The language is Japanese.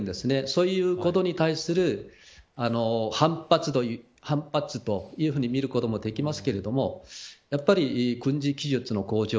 そういうことに対する反発という反発というふうに見ることもできますけどもやっぱり軍事技術の向上。